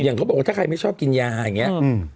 เขาบอกว่าถ้าใครไม่ชอบกินยาอย่างนี้